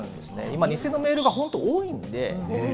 今、偽のメールが本当、多いんで。